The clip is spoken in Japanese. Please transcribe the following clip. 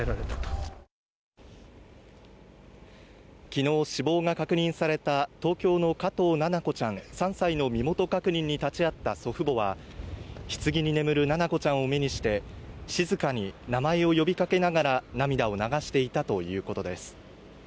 昨日死亡が確認された東京の加藤七菜子ちゃん３歳の身元確認に立ち会った祖父母は棺に眠る七菜子ちゃんを目にして静かに名前を呼びかけながら涙を流していたということです